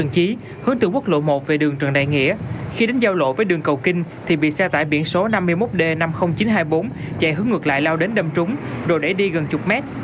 chín trăm hai mươi bốn chạy hướng ngược lại lao đến đâm trúng đồ đẩy đi gần chục mét